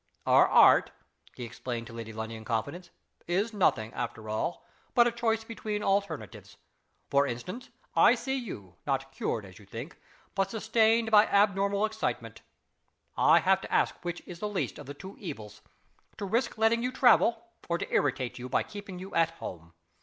"Our art," he explained to Lady Lundie in confidence, "is nothing, after all, but a choice between alternatives. For instance. I see you not cured, as you think but sustained by abnormal excitement. I have to ask which is the least of the two evils to risk letting you travel, or to irritate you by keeping you at home.